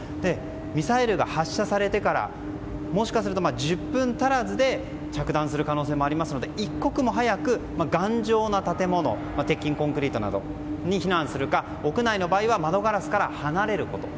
ミサイルが発射されてからもしかすると１０分足らずで着弾する可能性もありますので一刻も早く頑丈な建物鉄筋コンクリートなどに避難するか、屋内の場合は窓ガラスから離れること。